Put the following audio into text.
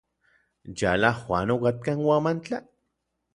¿Yala Juan okatka Huamantla?